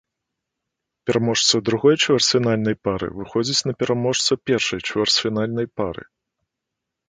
Пераможца другой чвэрцьфінальнай пары выходзіць на пераможца першай чвэрцьфінальнай пары.